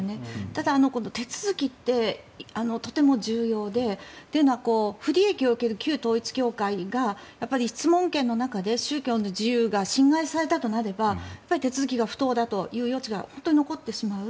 ただ、手続きってとても重要でというのは不利益を受ける旧統一教会が質問権の中で信教の自由が侵害されたとなれば手続きが不当だという余地が本当に残ってしまう。